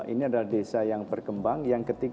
ini adalah desa yang berkembang yang ketiga